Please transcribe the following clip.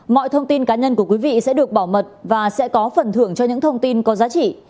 mọi thông tin cá nhân của quý vị sẽ được bảo mật và sẽ có phần thưởng cho những thông tin có giá trị